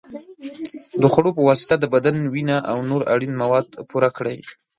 د خوړو په واسطه د بدن وینه او نور اړین مواد پوره کړئ.